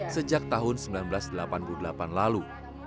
sejak tahun seribu sembilan ratus delapan puluh delapan lalu